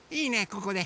ここで。